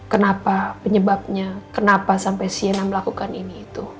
kenapa penyebabnya kenapa sampai siena melakukan ini itu